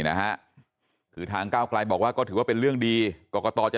นะฮะคือทางก้าวไกลบอกว่าก็ถือว่าเป็นเรื่องดีกรกตจะ